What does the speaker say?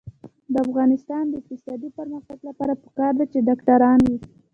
د افغانستان د اقتصادي پرمختګ لپاره پکار ده چې ډاکټران وي.